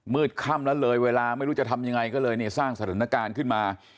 ค่ำแล้วเลยเวลาไม่รู้จะทำยังไงก็เลยเนี่ยสร้างสถานการณ์ขึ้นมา